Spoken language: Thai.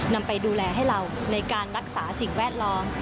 นำไปดูแลให้เราในการรักษาสิ่งแวดล้อม